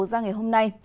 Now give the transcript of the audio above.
ra ngày hôm nay